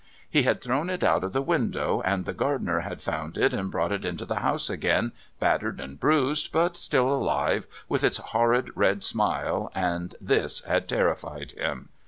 He had thrown it out of the window, and the gardener had found it and brought it into the house again, battered and bruised, but still alive, with its horrid red smile, and this had terrified him...